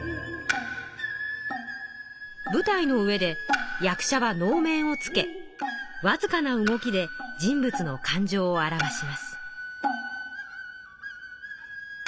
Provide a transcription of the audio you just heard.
舞台の上で役者は能面をつけわずかな動きで人物の感情を表します。